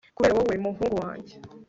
kubera wowe, muhungu wanjye